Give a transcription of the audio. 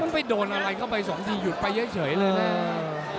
มันไปโดนอะไรก็ไป๒ทีหยุดไปเฉยเลยนะ